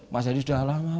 mas yoni sudah lama